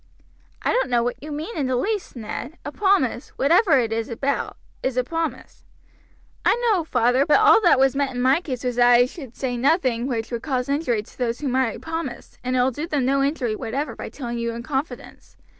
"I don't know what you mean in the least, Ned; a promise, whatever it is about, is a promise." "I know, father, but all that was meant in my case was that I would say nothing which would cause injury to those to whom I promised; and it will do them no injury whatever by telling you in confidence.